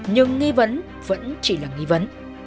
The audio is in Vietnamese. nhưng nghi vấn vẫn chỉ là nghi vấn